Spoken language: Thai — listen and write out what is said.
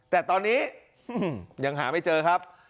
แต่ตอนนี้ยังหาไม่เจอครับ